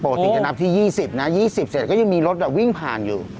ค่ะใช่นะฮะโปรติจะนับที่ยี่สิบนะยี่สิบเสร็จก็ยังมีรถแบบวิ่งผ่านอยู่